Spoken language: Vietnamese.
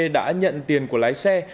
đã nhận tiền của lái xe